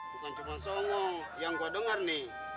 bukan cuma songo yang gue dengar nih